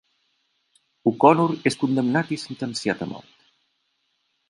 O'Connor és condemnat i sentenciat a mort.